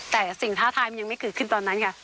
แต่สิ่งท้าทายมันยังไม่เกิดขึ้นตอนนั้นค่ะ